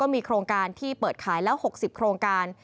มีโครงการที่เปิดขายแล้ว๖๐โครงการ